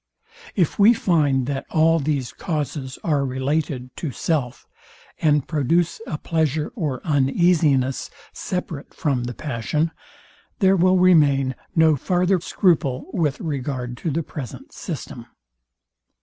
If we find that all these causes are related to self, and produce a pleasure or uneasiness separate from the passion, there will remain no farther scruple with regard to the present system.